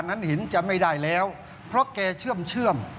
นั้นเห็นจะไม่ได้แล้วเพราะแกเชื่อม